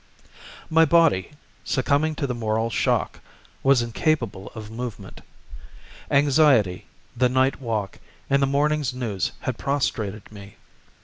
My body, succumbing to the moral shock, was incapable of movement. Anxiety, the night walk, and the morning's news had prostrated me.